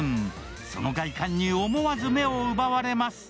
その外観に思わず目を奪われます。